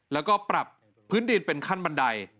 แล้วก็ปรับพื้นดินเป็นขั้นบันได